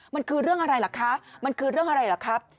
มันคือเรื่องอะไรล่ะคะมันคือเรื่องอะไรเหรอครับ